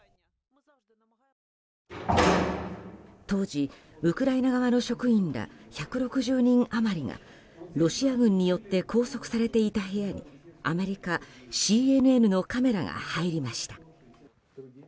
当時、ウクライナ側の職員ら１６０人余りがロシア軍によって拘束されていた部屋にアメリカ、ＣＮＮのカメラが入りました。